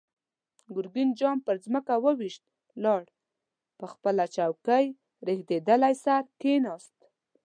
ګرګين جام پر ځمکه و ويشت، لاړ، په خپله څوکۍ زړېدلی سر کېناست.